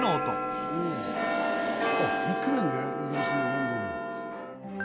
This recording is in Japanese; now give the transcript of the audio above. あっビッグベンねイギリスのロンドン。